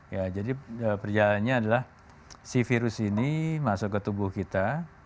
ya jadi perjalanannya adalah si virus ini masuk ke tubuh kita